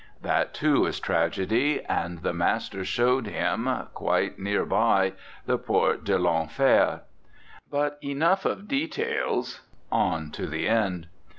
That, too, is tragedy; and the master showed him, quite near by, the Porte de 1'Enfer. But enough of details; on to the end.